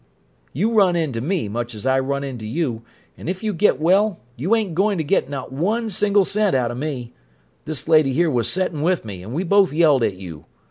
You run into me, much as I run into you, and if you get well you ain't goin' to get not one single cent out o' me! This lady here was settin' with me and we both yelled at you.